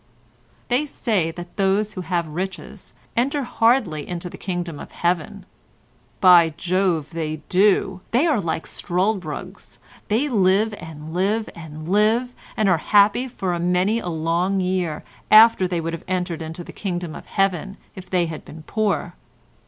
They say that those who have riches enter hardly into the kingdom of Heaven. By Jove, they do; they are like Struldbrugs; they live and live and live and are happy for many a long year after they would have entered into the kingdom of Heaven if they had been poor.